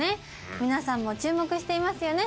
皆さんも注目していますよね？